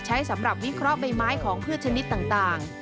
ใช้สำหรับวิเคราะห์ใบไม้ของพืชชนิดต่าง